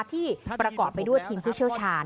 ที่ประกอบไปด้วยทีมผู้เชี่ยวชาญ